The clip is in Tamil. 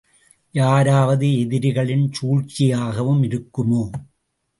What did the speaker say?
யாராவது எதிரிகளின் சூழ்ச்சியாகவும் இருக்குமோ?.